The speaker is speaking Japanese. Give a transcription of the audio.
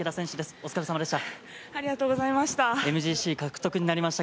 お疲れさまでした。